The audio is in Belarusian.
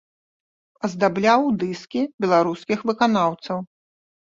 Аздабляў дыскі беларускіх выканаўцаў.